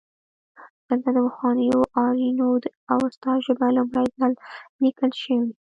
دلته د پخوانیو آرینو د اوستا ژبه لومړی ځل لیکل شوې